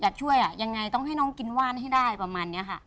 อยากช่วยอ่ะยังไงต้องให้น้องกินว่านให้ได้ประมาณนี้ค่ะ